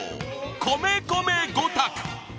米米５択